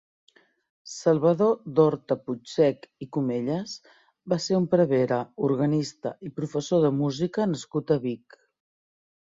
Salvador d'Horta Puigsech i Comelles va ser un prevere, organista i professor de música nascut a Vic.